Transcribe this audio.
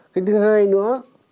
cái thứ hai nữa